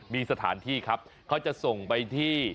มีสถานที่ครับเขาจะส่งไปที่